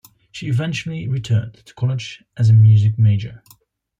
She eventually returned to college as a music major.